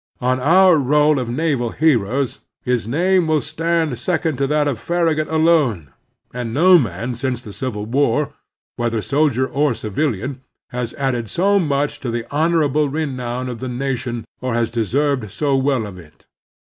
On our roll of naval heroes his name will stand second to that of Farragut alone, and no man since the Civil War, whether soldier or civilian, has added so much to the honorable renown of the nation or has deserved so well of it.